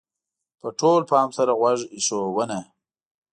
-په ټول پام سره غوږ ایښودنه: